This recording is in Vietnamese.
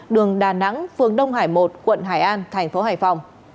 đường đà nẵng phường đông hải một quận hải an thành phố hải phòng